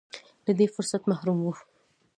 له دې فرصته محروم و.